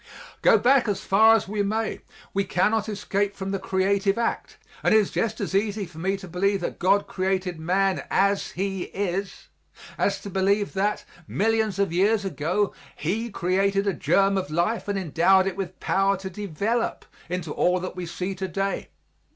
Go back as far as we may, we cannot escape from the creative act, and it is just as easy for me to believe that God created man as he is as to believe that, millions of years ago, He created a germ of life and endowed it with power to develop into all that we see to day.